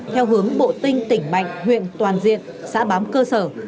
theo hướng bộ tinh tỉnh mạnh huyện toàn diện xã bám cơ sở